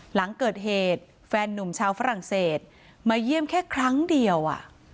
หลังเกิดเหตุแฟนนุ่มชาวฝรั่งเศสมาเยี่ยมแค่ครั้งเดียว